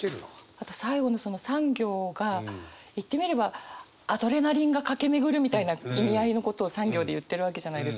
あと最後のその３行が言ってみればアドレナリンが駆け巡るみたいな意味合いのことを３行で言ってるわけじゃないですか。